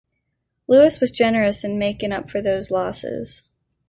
Louis was generous in making up for those losses.